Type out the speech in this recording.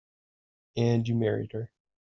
And you married her.